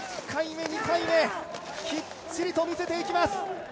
１回目、２回目きっちりと見せていきます。